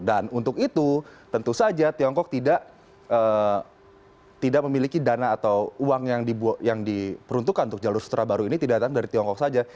dan untuk itu tentu saja tiongkok tidak memiliki dana atau uang yang diperuntukkan untuk jalur sutra baru ini tidak dari tiongkok saja